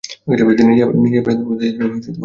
তিনি নিজের বাড়ির দরজা অতিথিদের জন্য বন্ধ করে দেন।